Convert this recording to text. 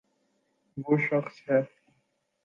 و ہ شخص ہے۔